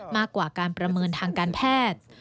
มากกว่าการประเมินทางการแพทย์